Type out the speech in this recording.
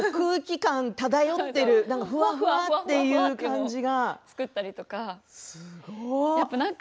空気感漂っているふわふわっとした感じが。